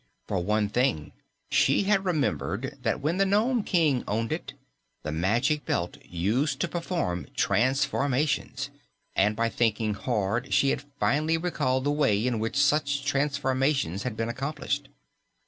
For one thing, she had remembered that when the Nome King owned it, the Magic Belt used to perform transformations, and by thinking hard she had finally recalled the way in which such transformations had been accomplished.